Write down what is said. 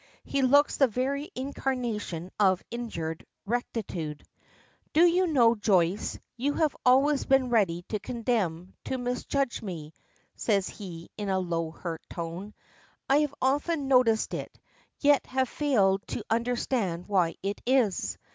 He looks the very incarnation of injured rectitude. "Do you know, Joyce, you have always been ready to condemn, to misjudge me," says he in a low, hurt tone. "I have often noticed it, yet have failed to understand why it is.